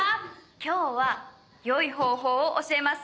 今日は良い方法を教えます。